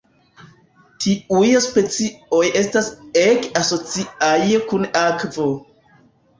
Tiuj specioj estas ege asociaj kun akvo.